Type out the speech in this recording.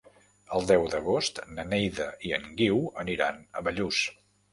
El deu d'agost na Neida i en Guiu aniran a Bellús.